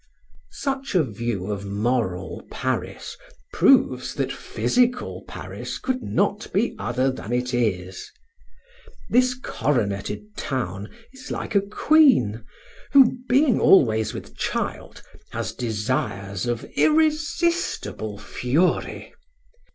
Such a view of moral Paris proves that physical Paris could not be other than it is. This coroneted town is like a queen, who, being always with child, has desires of irresistible fury.